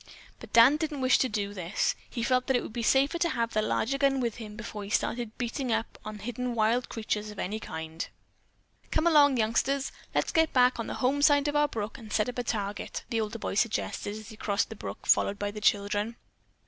But Dan didn't wish to do this. He felt that it would be safer to have the larger gun with him before he started beating up hidden wild creatures of any kind. "Come along, youngsters, let's get back on the home side of our brook and set up a target," the older boy suggested as he crossed the brook, followed by the children.